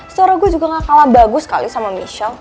soro gue juga gak kalah bagus kali sama michelle